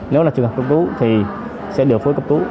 nếu là trường hợp cấp cứu thì sẽ điều phối cấp cứu